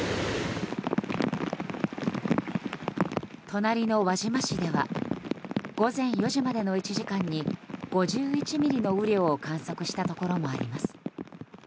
隣の輪島市では午前４時までの１時間に５１ミリの雨量を観測したところもあります。